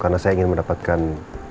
karena saya ingin mendapatkan